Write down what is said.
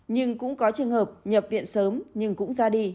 nhưng cũng có trường hợp nhập viện sớm nhưng cũng ra đi